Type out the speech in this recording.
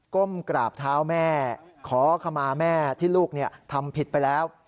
ก้มกราบเท้าแม่ขอขมาแม่ที่ลูกทำผิดไปแล้ว